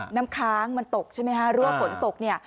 น้ำค้างมันตกใช่ไหมคะหรือว่าฝนตกเนี่ย